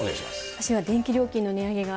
私は電気料金の値上げが。